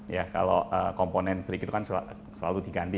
ya kalau komponen blik itu kan selalu diganti